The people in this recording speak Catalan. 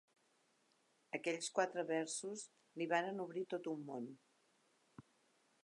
Aquells quatre versos li varen obrir tot un món